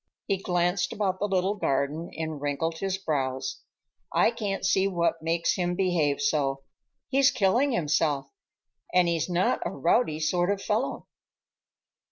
He glanced about the little garden and wrinkled his brows. "I can't see what makes him behave so. He's killing himself, and he's not a rowdy sort of fellow.